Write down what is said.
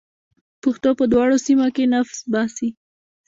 پښتو په دواړو سیمه کې نفس باسي.